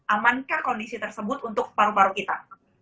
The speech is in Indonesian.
amankan kondisi tersebut untuk paru paru kita